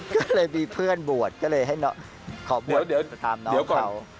ก็เลยมีเพื่อนบวชก็เลยขอบวชตามน้องเขา